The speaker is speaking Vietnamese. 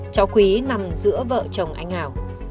cháu quý nằm giữa vợ chồng anh hào